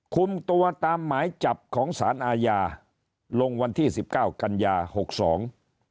คุมตัวตามหมายจับของสารอาญาลงวันที่สิบเก้ากันยาหกสอง